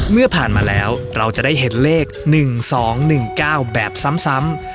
เมื่อผ่านมาแล้วเราจะได้เห็นเลข๑๒๑๙แบบซ้ำ